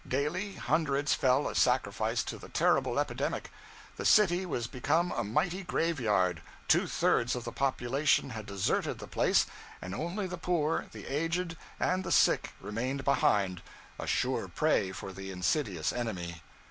Daily, hundreds fell a sacrifice to the terrible epidemic. The city was become a mighty graveyard, two thirds of the population had deserted the place, and only the poor, the aged and the sick, remained behind, a sure prey for the insidious enemy.